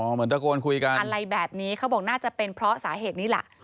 เหมือนตะโกนคุยกันอะไรแบบนี้เขาบอกน่าจะเป็นเพราะสาเหตุนี้ล่ะ